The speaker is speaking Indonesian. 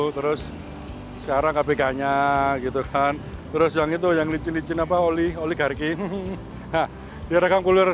terus sekarang kpk nya gitu kan terus yang itu yang licin licin apa oli oligarki direkam kulit